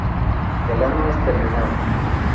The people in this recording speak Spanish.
El ano es terminal.